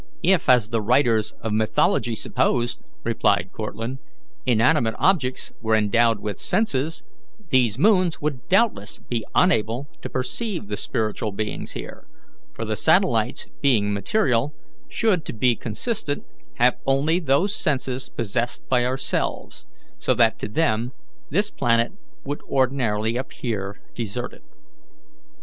"If, as the writers of mythology supposed," replied Cortlandt, "inanimate objects were endowed with senses, these moons would doubtless be unable to perceive the spiritual beings here; for the satellites, being material, should, to be consistent, have only those senses possessed by ourselves, so that to them this planet would ordinarily appear deserted."